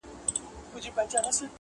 • هر ناحق ته حق ویل دوی ته آسان وه -